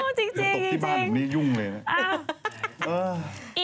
ถ้ามันตกที่บ้านหนูนี้ยุ่งเลยนะ